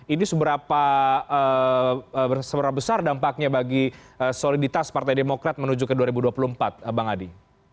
ini seberapa besar dampaknya bagi soliditas partai demokrat menuju ke dua ribu dua puluh empat bang adi